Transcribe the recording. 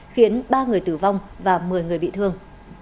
khiến ba người tử vong và một mươi người bị thương